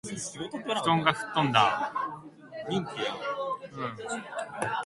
布団が吹っ飛んだあ